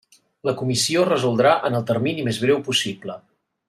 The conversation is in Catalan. La Comissió resoldrà en el termini més breu possible.